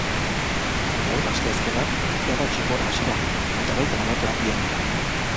Gaur, asteazkena, jada txingorra iritsi da eta baita olatu handiak ere.